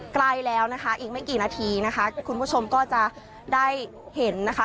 ใกล้แล้วนะคะอีกไม่กี่นาทีนะคะคุณผู้ชมก็จะได้เห็นนะคะ